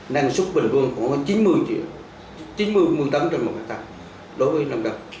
năng suất bình thường khoảng chín mươi triệu chín mươi một mươi tấm trên một hectare đối với nông dân